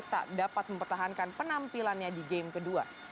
tak dapat mempertahankan penampilannya di game kedua